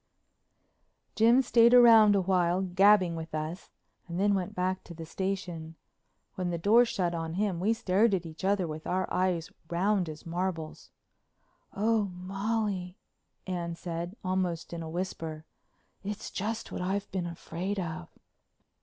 Jim stayed round a while gabbing with us, and then went back to the station. When the door shut on him we stared at each other with our eyes as round as marbles. "Oh, Molly," Anne said, almost in a whisper, "it's just what I've been afraid of."